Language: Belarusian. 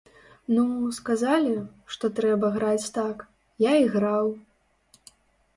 Ну, сказалі, што трэба граць так, я і граў.